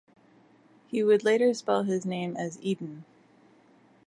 He would later spell his name as "Eden".